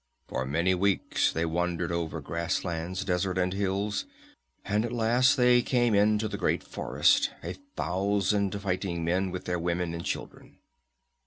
For many weeks they wandered over grasslands, desert and hills, and at last they came into the great forest, a thousand fighting men with their women and children.